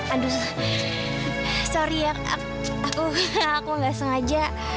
aduh maaf ya aku aku nggak sengaja